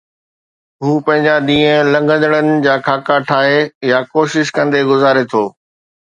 هو پنهنجا ڏينهن لنگهندڙن جا خاڪا ٺاهي، يا ڪوشش ڪندي گذاري ٿو